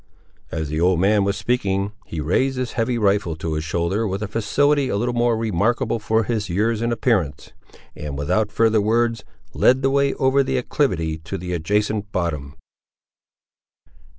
As the old man was speaking, he raised his heavy rifle to his shoulder, with a facility a little remarkable for his years and appearance, and without further words led the way over the acclivity to the adjacent bottom.